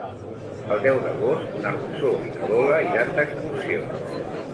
El deu d'agost na Rosó i na Lola iran d'excursió.